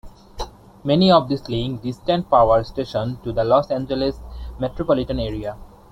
Many of these link distant power stations to the Los Angeles metropolitan area.